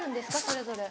それぞれ。